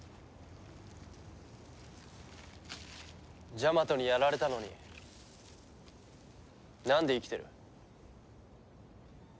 ジャマトにやられたのになんで生きてる？